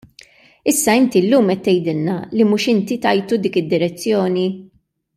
Issa inti llum qed tgħidilna li mhux inti tajtu dik id-direzzjoni?